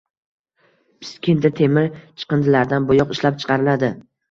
Piskentda temir chiqindilardan bo‘yoq ishlab chiqariladi